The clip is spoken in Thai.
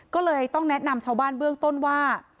ก็เลยต้องแนะนำชาวบ้านเบื้องต้นว่า